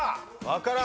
わからん。